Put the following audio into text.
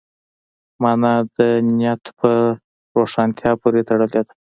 مانا د نیت په روښانتیا پورې تړلې ده.